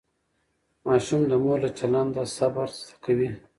ماشوم د مور له چلند صبر زده کوي.